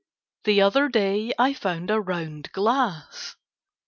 The other day I found a round glass.